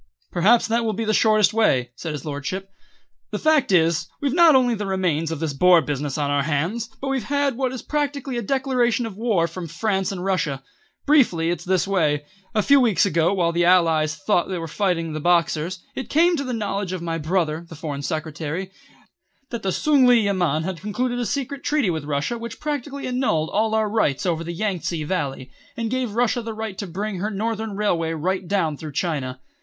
"Perhaps that will be the shortest way," said his lordship. "The fact is, we've not only the remains of this Boer business on our hands, but we've had what is practically a declaration of war from France and Russia. Briefly it's this way. A few weeks ago, while the Allies thought they were fighting the Boxers, it came to the knowledge of my brother, the Foreign Secretary, that the Tsung li Yamen had concluded a secret treaty with Russia which practically annulled all our rights over the Yang tse Valley, and gave Russia the right to bring her Northern Railway right down through China.